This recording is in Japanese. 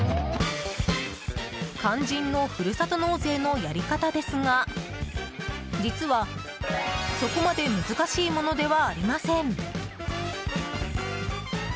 肝心のふるさと納税のやり方ですが実はそこまで難しいものではありません。